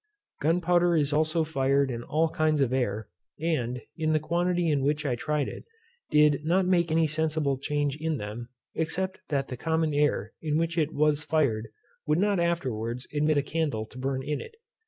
Gunpowder is also fired in all kinds of air, and, in the quantity in which I tried it, did not make any sensible change in them, except that the common air in which it was fired would not afterwards admit a candle to burn in it.